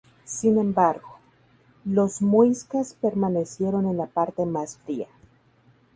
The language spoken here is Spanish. Sin embargo, los muiscas permanecieron en la parte más fría.